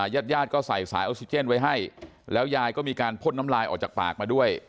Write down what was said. ญาติญาติก็ใส่สายออกซิเจนไว้ให้แล้วยายก็มีการพ่นน้ำลายออกจากปากมาด้วย